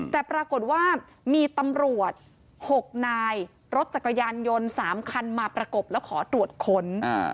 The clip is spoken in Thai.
แต่ปรากฏว่ามีตำรวจ๖นายรถจักรยานยนต์๓คันมาประกบแล้วขอตรวจค้น